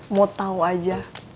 mau tau aja